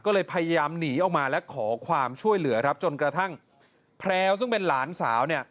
ก็เลยพยายามหนีออกมาและขอความช่วยเหลือครับจนกระทั่งแพลวซึ่งเป็นหลานสาวเนี่ย